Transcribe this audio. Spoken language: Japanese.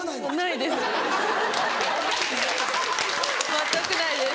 全くないです。